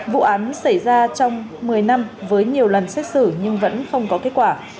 vụ án xảy ra trong một mươi năm với nhiều lần xét xử nhưng vẫn không có kết quả